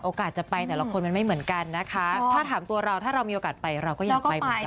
จะไปแต่ละคนมันไม่เหมือนกันนะคะถ้าถามตัวเราถ้าเรามีโอกาสไปเราก็อยากไปเหมือนกัน